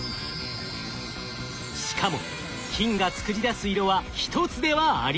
しかも金が作り出す色は一つではありません。